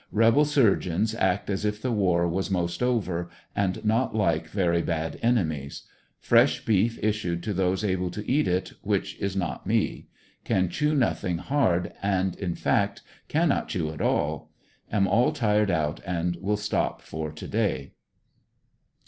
Rebel surgeons act as if the war was most over, and not like very bad enemies. Fresh beef issued to those able to eat it which is not me; can chew nothin?^ hard, in fact cannot chew at all. Am all tired out and will stop for to day.